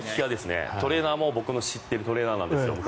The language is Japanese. トレーナーも僕の知っているトレーナーなんですよ。